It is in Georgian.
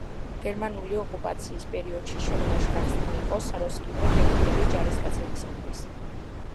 გერმანული ოკუპაციის პერიოდში შენობაში გახსნილი იყო საროსკიპო გერმანელი ჯარისკაცებისათვის.